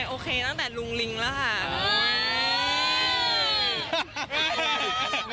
โอเคตั้งแต่ลุงลิงแล้วค่ะ